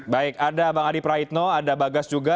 baik ada bang adi praitno ada bagas juga